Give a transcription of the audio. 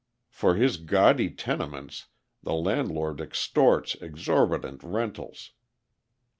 For his gaudy tenements the landlord extorts exorbitant rentals.